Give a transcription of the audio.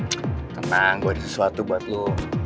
ck tenang gue ada sesuatu buat lo